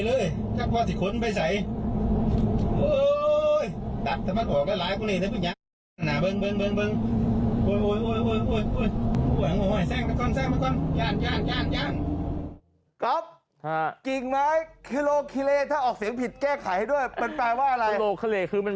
เร่งมากก่อนเปิดเร่งมากก่อน